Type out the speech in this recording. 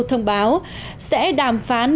thông báo sẽ đàm phán